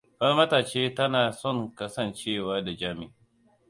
Falmata ta ce tana son kasancewa da Jami.